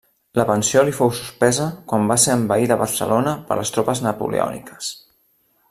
La pensió li fou suspesa quan va ser envaïda Barcelona per les tropes Napoleòniques.